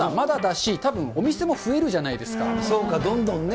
たぶんお店も増えるじゃないですそうか、どんどんね。